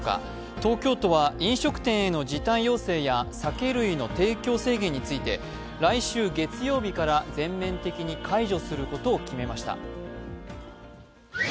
東京都は飲食店への時短要請や酒類の提供制限について来週月曜日から全面的に解除することを決めました。